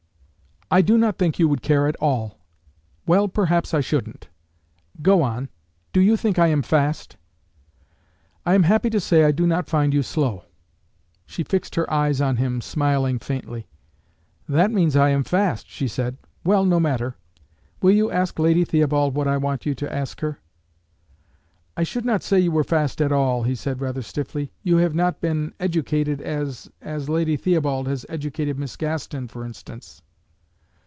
"I do not think you would care at all." "Well, perhaps I shouldn't. Go on. Do you think I am fast?" "I am happy to say I do not find you slow." She fixed her eyes on him, smiling faintly. "That means I am fast," she said. "Well, no matter. Will you ask Lady Theobald what I want you to ask her?" "I should not say you were fast at all," he said rather stiffly. "You have not been educated as as Lady Theobald has educated Miss Gaston, for instance."